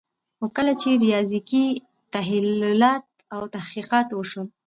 خو کله چي ریاضیکي تحلیلات او تحقیقات وسول